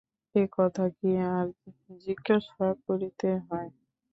এ কথা কি আর জিজ্ঞাসা করিতে হয়?